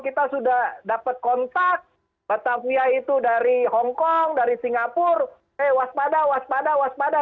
kita sudah dapat kontak batavia itu dari hongkong dari singapura eh waspada waspada waspada